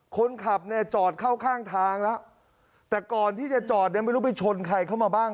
คนขับเนี่ยจอดเข้าข้างทางแล้วแต่ก่อนที่จะจอดเนี่ยไม่รู้ไปชนใครเข้ามาบ้าง